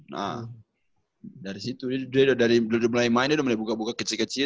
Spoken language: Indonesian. nah dari situ dia udah mulai main dia udah mulai buka buka kecil kecil